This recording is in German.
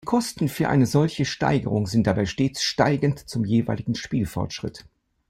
Die Kosten für eine solche Steigerung sind dabei stets steigend zum jeweiligen Spielfortschritt.